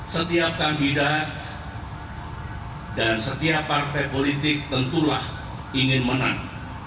setiap kandidat dan setiap partai politik tentulah ingin menang